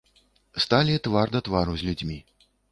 Сталі твар да твару з людзьмі.